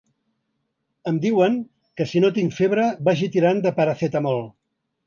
Em diuen que si no tinc febre, vagi tirant de paracetamol.